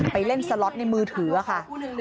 ไปเล่นสล็อตในมือถือค่ะ